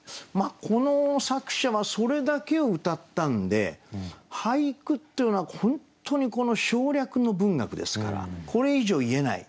この作者はそれだけをうたったんで俳句っていうのは本当に省略の文学ですからこれ以上言えない。